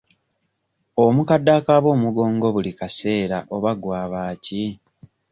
Omukadde akaaba omugongo buli kaseera oba gwaba ki?